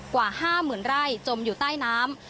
กว่า๕๐๐๐ไร่จมอยู่ใต้น้ำ